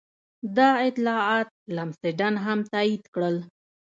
دا اطلاعات لمسډن هم تایید کړل.